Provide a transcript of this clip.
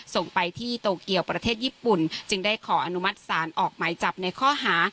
ส่งไปที่โตเกียวประเทศญี่ปุ่นจึงได้ขออนุมัติศาลออกหมายจับในข้อหา